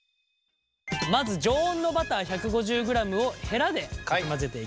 まず常温のバター１５０ｇをヘラでかき混ぜていきます。